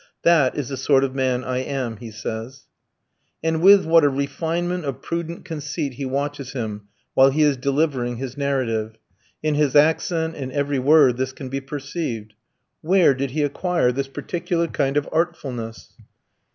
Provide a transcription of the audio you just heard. "That is the sort of man I am," he says. And with what a refinement of prudent conceit he watches him while he is delivering his narrative! In his accent, in every word, this can be perceived. Where did he acquire this particular kind of artfulness?